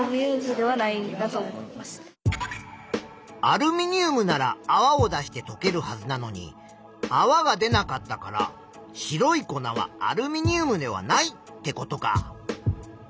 アルミニウムならあわを出してとけるはずなのにあわが出なかったから白い粉はアルミニウムではないってことか。